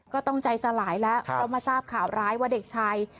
ก็ต้องใจสลายแล้วเพราะมาทราบข่าวร้ายว่าเด็กชาย